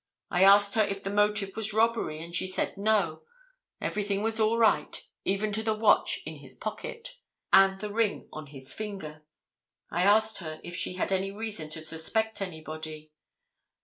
I asked her if the motive was robbery and she said no; everything was all right, even to the watch in his pocket and the ring on his finger; I asked her if she had any reason to suspect anybody.